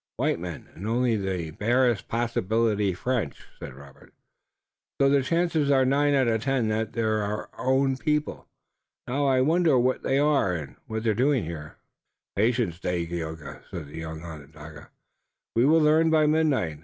"White men, and only by the barest possibility French," said Robert. "So the chances are nine out of ten that they're our own people. Now, I wonder what they are and what they're doing here." "Patience, Dagaeoga," said the young Onondaga. "We will learn by midnight.